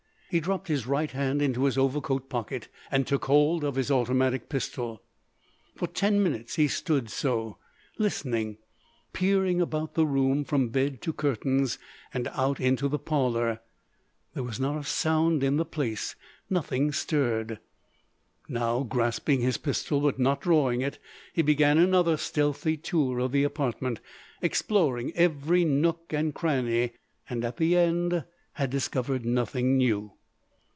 He dropped his right hand into his overcoat pocket and took hold of his automatic pistol. For ten minutes he stood so, listening, peering about the room from bed to curtains, and out into the parlour. There was not a sound in the place. Nothing stirred. Now, grasping his pistol but not drawing it, he began another stealthy tour of the apartment, exploring every nook and cranny. And, at the end, had discovered nothing new.